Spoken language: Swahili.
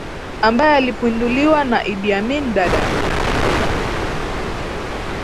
ambaye alipinduliwa na Idi Amin Dadaa